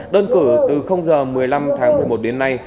đơn cử từ giờ một mươi năm tháng một mươi một đến nay